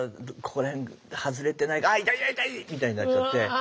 ここら辺外れてないかなあっ痛い痛い痛い！みたいになっちゃって。